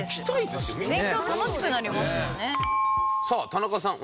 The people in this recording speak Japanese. さあ田中さん